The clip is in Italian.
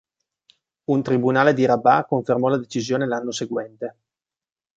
Un tribunale di Rabat confermò la decisione l'anno seguente.